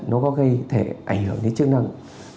nó có gây thể ảnh hưởng đến chức năng